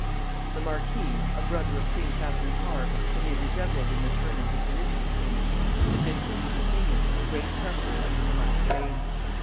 The marquis, a brother of queen Catherine Parr, whom he resembled in the turn of his religious opinions, had been for these opinions a great sufferer under the last reign.